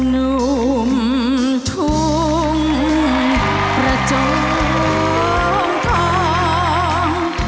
นุ่มทุ่งประจงลงทอง